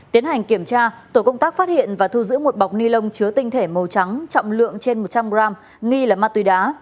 tiến hành kiểm tra tổ công tác phát hiện và thu giữ một bọc ni lông chứa tinh thể màu trắng trọng lượng trên một trăm linh gram nghi là ma túy đá